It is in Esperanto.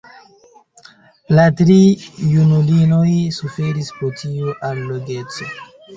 La tri junulinoj suferis pro tiu allogeco.